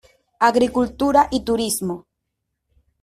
Agricultura y turismo.